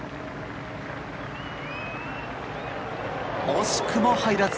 惜しくも入らず。